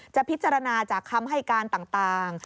จะพิจารณาจากคำให้การต่าง